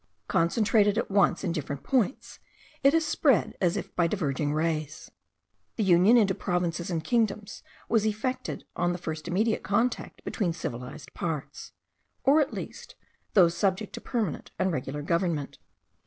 Concentrated at once in different points, it has spread as if by diverging rays. The union into provinces and kingdoms was effected on the first immediate contact between civilized parts, or at least those subject to permanent and regular government.